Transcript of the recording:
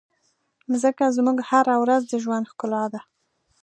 مځکه زموږ هره ورځ د ژوند ښکلا ده.